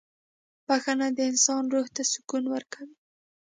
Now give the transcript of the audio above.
• بخښنه د انسان روح ته سکون ورکوي.